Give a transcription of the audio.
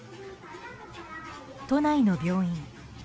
都内の病院。